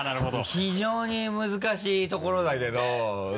非常に難しいところだけど。